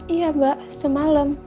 iya mbak semalam